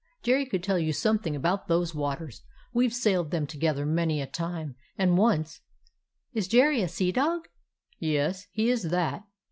Jerry could tell you something about those waters. We 've sailed them together many a time; and once* —" "Is Jerry a sea dog?" "Yes, he is that.